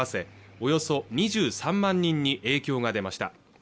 およそ２３万人に影響が出ました